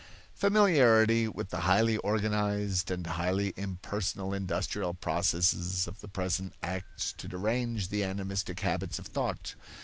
Familiarity with the highly organized and highly impersonal industrial processes of the present acts to derange the animistic habits of thought.